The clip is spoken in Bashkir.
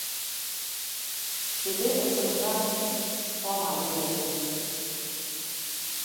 Себен осоронда... тана өйрәтеү...